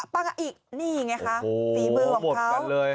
ปลาอีกนี่อย่างน่ะฟีเบิร์ทของเขา